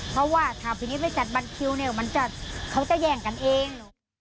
เพราะว่าถ้าพี่นิดไม่จัดบัตรคิวเนี่ยมันจะเขาจะแย่งกันเอง